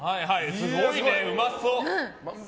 すごいね、うまそう。